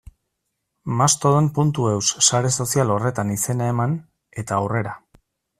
Mastodon.eus sare sozial horretan izena eman, eta aurrera.